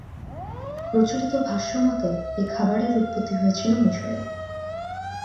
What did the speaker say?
প্রচলিত ভাষ্যমতে এই খাবারের উৎপত্তি হয়েছিল মিশরে।